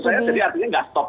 jadi artinya gak stop